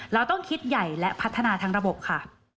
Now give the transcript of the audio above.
เราต้องคิดใหญ่และพัฒนาทางระบบค่ะ